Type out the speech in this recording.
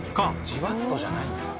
じわっとじゃないんだ。